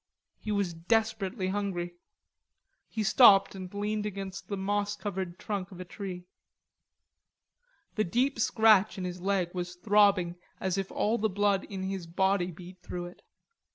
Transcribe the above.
He was desperately hungry. He stopped and leaned against the moss covered trunk of a tree. The deep scratch in his leg was throbbing as if all the blood in his body beat through it.